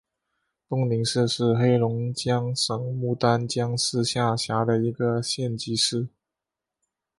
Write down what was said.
东宁市是黑龙江省牡丹江市下辖的一个县级市。